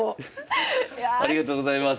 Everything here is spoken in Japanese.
ありがとうございます。